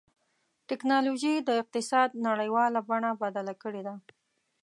ټکنالوجي د اقتصاد نړیواله بڼه بدله کړې ده.